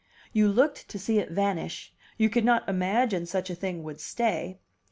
You looked to see it vanish; you could not imagine such a thing would stay.